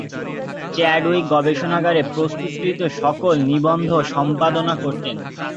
Chadwick গবেষণাগারে প্রস্তুতকৃত সকল নিবন্ধ সম্পাদনা করতেন।